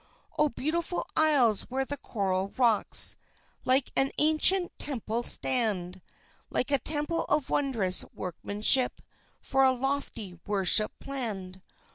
Oh, beautiful Isles! where the coral rocks Like an ancient temple stand, Like a temple of wondrous workmanship For a lofty worship planned!